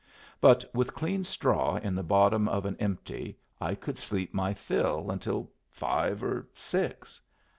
But with clean straw in the bottom of an empty, I could sleep my fill until five or six.